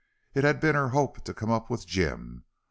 It had been her hope to come up with Jim.